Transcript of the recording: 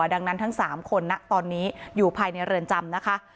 ดังนั้นทั้ง๓คนนะตอนนี้อยู่ภายในเรือนจำนะคะ